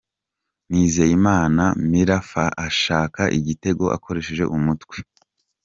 Nizeyimana Mirafa ashaka igitego akoresheje umutwe